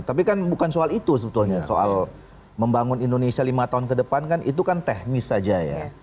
tapi kan bukan soal itu sebetulnya soal membangun indonesia lima tahun ke depan kan itu kan teknis saja ya